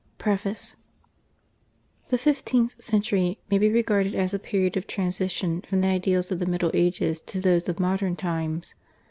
PREFACE The fifteenth century may be regarded as a period of transition from the ideals of the Middle Ages to those of modern times.